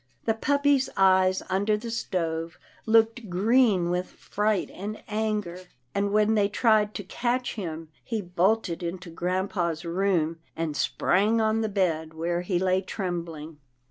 The puppy's eyes under the stove looked green with fright and anger, and when they tried to catch him, he bolted into grampa's room, and sprang on the bed where he lay trembling.